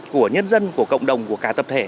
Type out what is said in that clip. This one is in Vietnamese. của nhân dân của cộng đồng của cả tập thể